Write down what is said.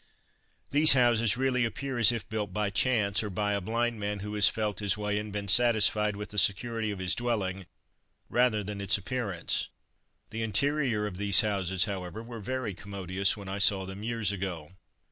These houses really appear as if built by chance, or by a blind man who has felt his way and been satisfied with the security of his dwelling rather than its appearance. The interiors of these houses, however, were very commodious, when I saw them years ago.